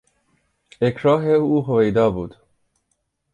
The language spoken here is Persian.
اکراه او هویدا بود.